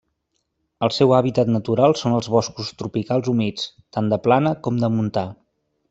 El seu hàbitat natural són els boscos tropicals humits, tant de plana com de montà.